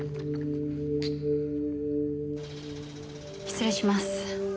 失礼します。